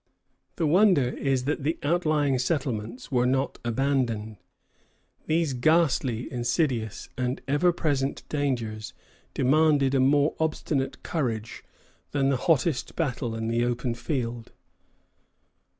The wonder is that the outlying settlements were not abandoned. These ghastly, insidious, and ever present dangers demanded a more obstinate courage than the hottest battle in the open field.